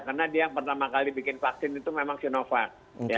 karena dia yang pertama kali bikin vaksin itu memang sinovac